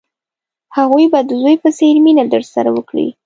هغوی به د زوی په څېر مینه درسره وکړي.